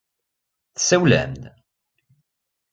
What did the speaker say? Tsawlem-d?